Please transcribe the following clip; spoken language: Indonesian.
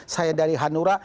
saya dari hanura